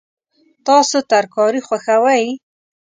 تاسو ترکاري خوښوئ؟